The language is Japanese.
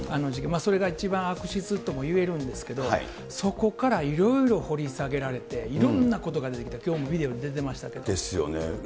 それが一番悪質ともいえるんですけれども、そこからいろいろ掘り下げられて、いろんなことが出てきた、きょうもビデですよね。